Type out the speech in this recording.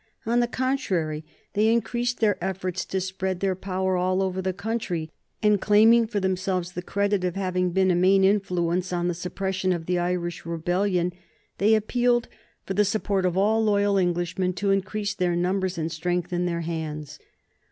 On the contrary, they increased their efforts to spread their power all over the country, and, claiming for themselves the credit of having been a main influence in the suppression of the Irish rebellion, they appealed for the support of all loyal Englishmen to increase their numbers and strengthen their hands.